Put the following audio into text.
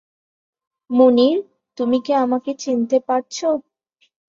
মুনির, তুমি কি আমাকে চিনতে পারছ?